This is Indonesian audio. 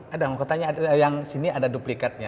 ada mahkotanya yang disini ada duplikatnya